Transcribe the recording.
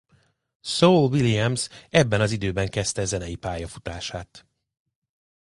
Saul Williams ebben az időben kezdte zenei pályafutását.